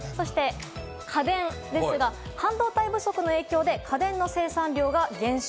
そして家電ですが、半導体不足の影響で家電の生産量が減少。